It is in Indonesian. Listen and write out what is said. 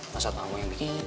masa tua gue yang bikinin